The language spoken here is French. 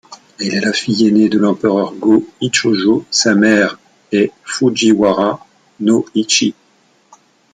Elle est la fille ainée de l'empereur Go-Ichijō, sa mère est Fujiwara no Ishi.